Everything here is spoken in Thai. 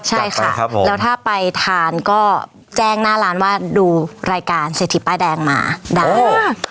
ใช่ค่ะแล้วถ้าไปทานก็แจ้งหน้าร้านว่าดูรายการเศรษฐีป้ายแดงมาได้